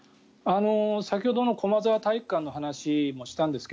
先ほどの駒沢体育館の話もしたんですが